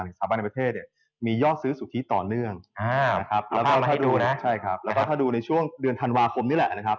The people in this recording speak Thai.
สถาบันในประเทศมียอดซื้อสุขีต่อเนื่องถ้าดูในช่วงเดือนธันวาคมนี่แหละ